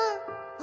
「あ！」